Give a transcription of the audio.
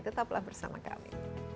tetaplah bersama kami